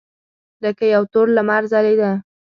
لکه یو تور لمر ځلېده.